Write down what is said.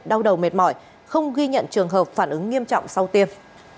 đau đầu mệt mỏi không ghi nhận trường hợp phản ứng nghiêm trọng sau tiêm